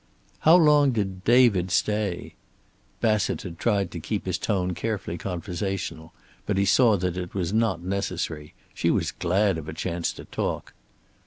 "How long did 'David' stay?" Bassett had tried to keep his tone carefully conversational, but he saw that it was not necessary. She was glad of a chance to talk.